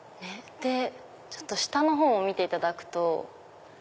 下の方を見ていただくと。